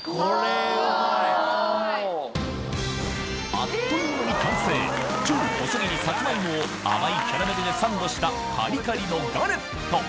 あっという間に完成超細切りサツマイモを甘いキャラメルでサンドしたカリカリのガレット